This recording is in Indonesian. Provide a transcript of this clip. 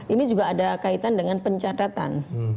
ini juga ada kaitan dengan pencatatan